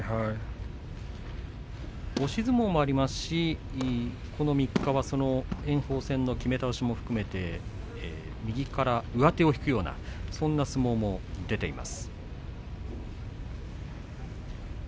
押し相撲もありますし炎鵬戦のきめ倒しもありましたし右から上手を引くようなそんな相撲も出ています。